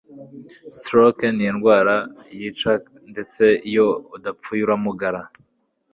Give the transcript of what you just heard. Stroke ni indwara yica ndetse iyo udapfuye uramugara.